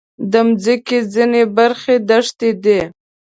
د مځکې ځینې برخې دښتې دي.